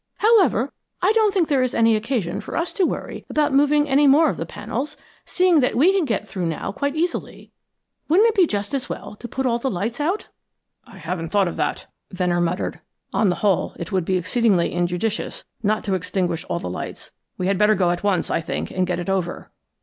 However, I don't think there is any occasion for us to worry about moving any more of the panels, seeing that we can get through now quite easily. Wouldn't it be just as well to put all the lights out?" "I haven't thought of that," Venner muttered. "On the whole, it would be exceedingly injudicious not to extinguish all the lights. We had better go on at once, I think, and get it over."